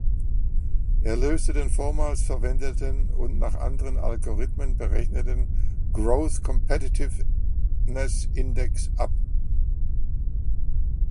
Er löste den vormals verwendeten und nach anderen Algorithmen berechneten "„Growth Competitiveness Index“" ab.